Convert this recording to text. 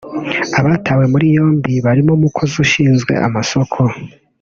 Abatawe muri yombi barimo umukozi ushinzwe amasoko